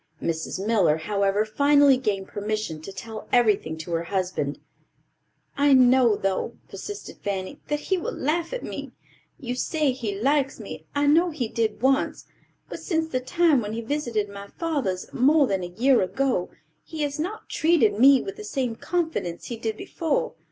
Mrs. Miller, however, finally gained permission to tell everything to her husband. "I know, though," persisted Fanny, "that he will laugh at me. You say he likes me; I know he did once; but since the time when he visited my father's, more than a year ago, he has not treated me with the same confidence he did before.